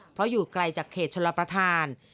เพราะอยู่ไกลจากเขตชลประธาน